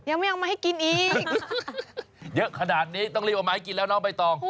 ยังไม่เอามาให้กินอีกเยอะขนาดนี้ต้องรีบเอาไม้กินแล้วน้องใบตอง